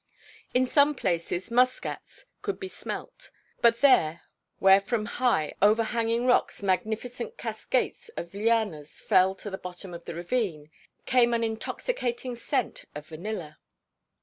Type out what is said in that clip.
In some places muskcats could be smelt; but there, where from high, overhanging rocks magnificent cascades of lianas fell to the bottom of the ravine, came an intoxicating scent of vanilla.